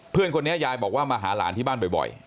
เพื่อนคนนี้ยายบอกว่ามาหาหลานที่บ้านบ่อย